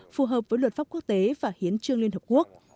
phù hợp với luật pháp quốc tế và hiến trương liên hợp quốc